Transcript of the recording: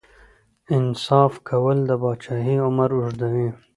انصاف کول د پاچاهۍ عمر اوږدوي.